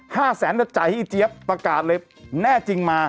แสนจะจ่ายให้เจี๊ยบประกาศเลยแน่จริงมา